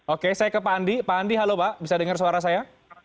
oke saya ke pak andi pak andi halo pak bisa dengar suara saya